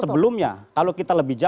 sebelumnya kalau kita lebih